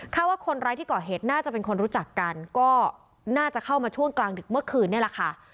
ว่าคนร้ายที่ก่อเหตุน่าจะเป็นคนรู้จักกันก็น่าจะเข้ามาช่วงกลางดึกเมื่อคืนนี่แหละค่ะ